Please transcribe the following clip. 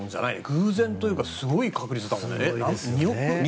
偶然というかすごい確率だもんね。